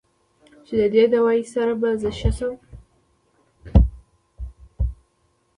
چې د دې دوائي سره به زۀ ښۀ شم